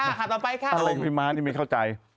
อารมณ์พิมพ์มาสยังไม่เข้าใจ